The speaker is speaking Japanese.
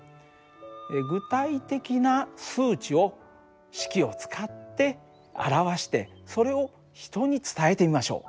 具体的な数値を式を使って表してそれを人に伝えてみましょう。